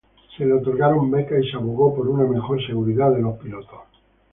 Se le otorgaron becas y se abogó por una mejor seguridad de los pilotos.